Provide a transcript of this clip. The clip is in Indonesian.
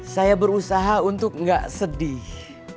saya berusaha untuk nggak sedih